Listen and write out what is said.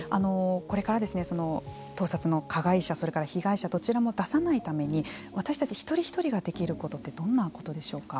これからその盗撮の加害者それから被害者のどちらも出さないために私たち一人一人ができることってどんなことでしょうか。